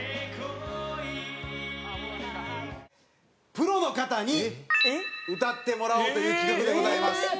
プロの方に歌ってもらおうという企画でございます。